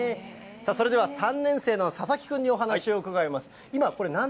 それでは３年生の佐々木君にお話を伺います。